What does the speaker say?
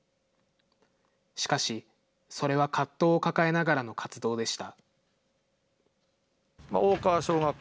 しかし、それは葛藤を抱えながらの活動でした。